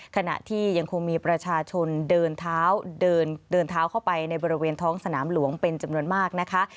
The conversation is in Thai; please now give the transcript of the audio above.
ขณะที่ยังคงมีประชาชนเดินเท้าเดินเท้าเข้าไปในบริเวณท้องสนามหลวงเป็นจำนวนมากนะคะ